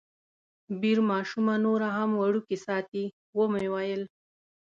بیر ماشومه نوره هم وړوکې ساتي، ومې ویل.